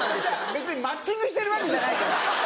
別にマッチングしてるわけじゃないから。